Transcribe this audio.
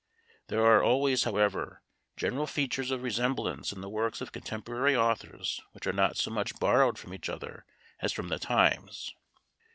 There are always, however, general features of resemblance in the works of contemporary authors, which are not so much borrowed from each other as from the times.